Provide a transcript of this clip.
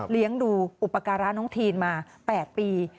เลี้ยงดูอุปการะน้องทีนมา๘ปี